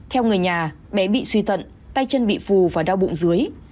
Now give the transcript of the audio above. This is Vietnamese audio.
theo người nhà bé bị suy thận tay chân bị phù và đau bụng dưới